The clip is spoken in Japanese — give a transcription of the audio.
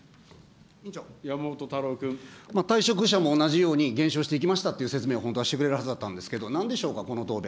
退職者も同じように減少していきましたという説明を本当はしてくれるはずだったんですけど、なんでしょうか、この答弁。